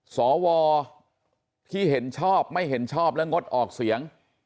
สวที่เห็นชอบไม่เห็นชอบและงดออกเสียง